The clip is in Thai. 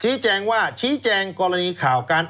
แจ้งว่าชี้แจงกรณีข่าวการ